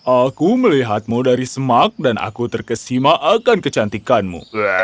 aku melihatmu dari semak dan aku terkesima akan kecantikanmu